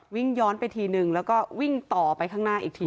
วิ่งย้อนไปทีนึงแล้วก็วิ่งต่อไปข้างหน้าอีกที